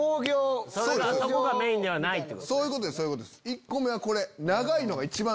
１個目はこれ。